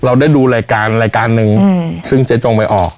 เราได้ดูรายการรายการหนึ่งซึ่งเจ๊จงไปออก